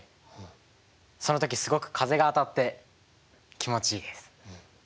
その時すごく風が当たって気持ちいいです。